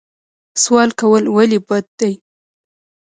سوال کول ولې بد دي؟